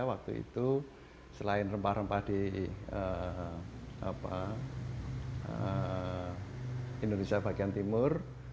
waktu itu selain rempah rempah di indonesia bagian timur